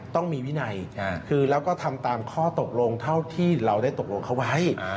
ต้องมีวินัยคือแล้วก็ทำตามข้อตกลงเท่าที่เราได้ตกลงเขาไว้